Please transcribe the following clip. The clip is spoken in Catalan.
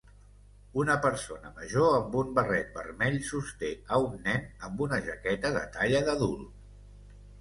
Una persona major amb un barret vermell sosté a un nen amb una jaqueta de talla d'adult.